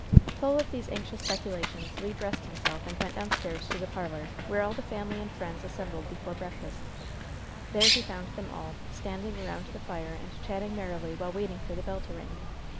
Full of these anxious speculations, Le dressed himself and went downstairs to the parlor, where all the family and friends assembled before breakfast. There he found them all, standing around the fire and chatting merrily while waiting for the bell to ring.